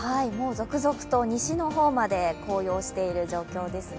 続々と西の方まで紅葉している状況ですね。